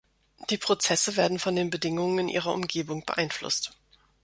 Die Prozesse werden von den Bedingungen in ihrer Umgebung beeinflusst.